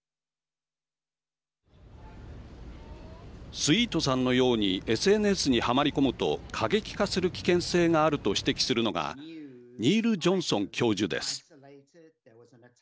スイートさんのようにＳＮＳにはまり込むと過激化する危険性があると指摘するのがニール・ジョンソン教授です。